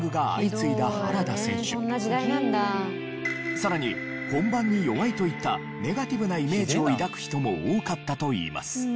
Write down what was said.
さらに本番に弱いといったネガティブなイメージを抱く人も多かったといいます。